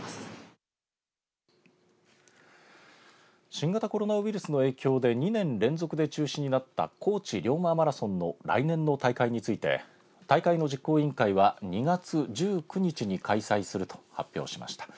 新型コロナウイルスの影響で２年連続で中止になった高知龍馬マラソンの来年の大会について大会の実行委員会は２月１９日に開催すると発表しました。